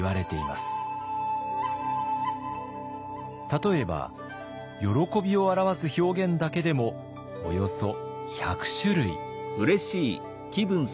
例えば「喜び」を表す表現だけでもおよそ１００種類。